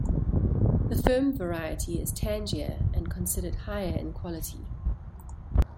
The firm variety is tangier and considered higher in quality.